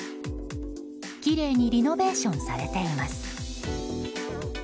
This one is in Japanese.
きれいにリノベーションされています。